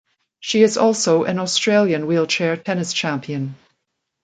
She is also an Australian wheelchair tennis champion.